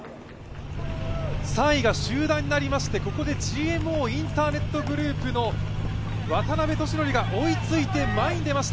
３位が集団になりまして、ここでＧＭＯインターネットグループの渡邉利典が追いついて前に出ました。